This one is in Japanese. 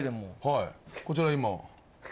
はいこちら今。